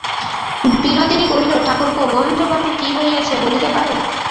বিনোদিনী কহিল, ঠাকুরপো, মহেন্দ্রবাবুর কী হইয়াছে, বলিতে পার?